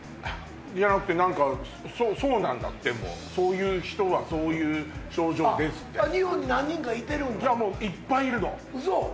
じゃなくてそうなんだってもうそういう人はそういう症状ですって日本に何人かいてるんだいっぱいいるのウソ！